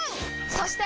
そして！